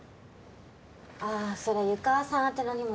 あぁそれ湯川さん宛ての荷物。